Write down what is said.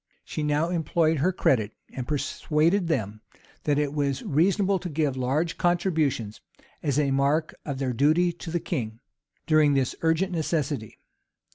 She now employed her credit, and persuaded them that it was reasonable to give large contributions, as a mark of their duty to the king, during this urgent necessity.